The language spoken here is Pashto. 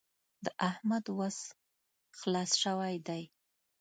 د احمد وس خلاص شوی دی.